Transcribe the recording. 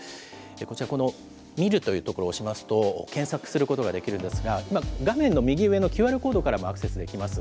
こちら、この見るというところを押しますと、検索することができるんですが、今、画面の右上のＱＲコードからもアクセスできます。